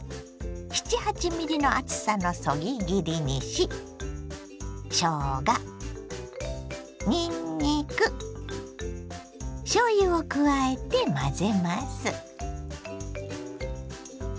７８ｍｍの厚さのそぎ切りにししょうがにんにくしょうゆを加えて混ぜます。